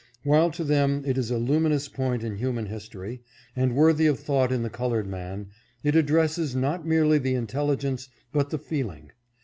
While to them it is a luminous point in human history, and worthy of thought in the colored man, it addresses not merely the in telligence, but the feeling.